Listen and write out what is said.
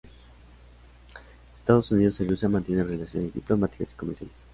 Estados Unidos y Rusia mantienen relaciones diplomáticas y comerciales.